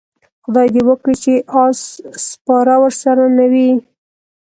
خدای دې وکړي چې اس سپاره ورسره نه وي.